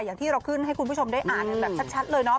อย่างที่เราขึ้นให้คุณผู้ชมได้อ่านกันแบบชัดเลยเนาะ